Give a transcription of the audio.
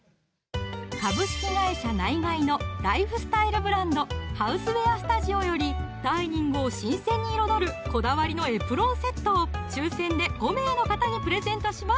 ナイガイのライフスタイルブランド「ＨＯＵＳＥＷＥＡＲＳＴＵＤＩＯ」よりダイニングを新鮮に彩るこだわりのエプロンセットを抽選で５名の方にプレゼントします